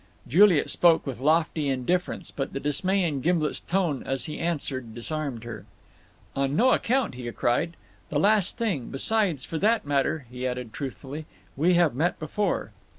Juliet spoke with lofty indifference, but the dismay in Gimblet's tone as he answered disarmed her. "On no account," he cried, "the last thing! Besides, for that matter," he added truthfully, "we have met before."